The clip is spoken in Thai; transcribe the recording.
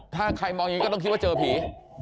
ถ้าใครมองอย่างนี้ก็ต้องคิดว่าเจอผี